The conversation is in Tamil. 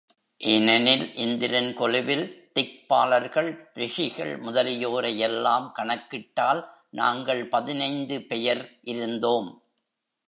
ஏனெனில், இந்திரன் கொலுவில் திக்பாலர்கள், ரிஷிகள் முதலியோரை யெல்லாம் கணக்கிட்டால் நாங்கள் பதினைந்து பெயர் இருந்தோம்.